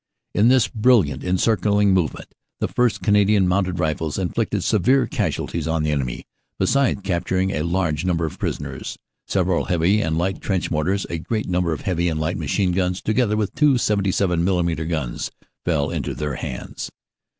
In this brilliant encircling movement the 1st. C. M. R. inflicted severe casualties on the enemy besides capturing a large number of prisoners. Several heavy and light trench mortars, a great number of heavy and light machine guns, together with two 77mm. guns, fell into their hands.